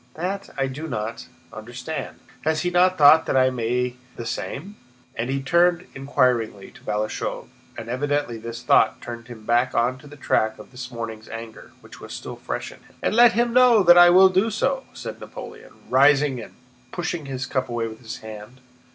That I do not... understand. Has he not thought that I may do the same?" and he turned inquiringly to Balashëv, and evidently this thought turned him back on to the track of his morning's anger, which was still fresh in him. "And let him know that I will do so!" said Napoleon, rising and pushing his cup away with his hand.